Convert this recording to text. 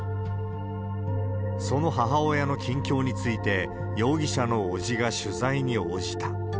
その母親の近況について、容疑者の伯父が取材に応じた。